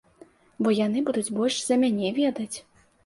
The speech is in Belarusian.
Бо яны будуць больш за мяне ведаць.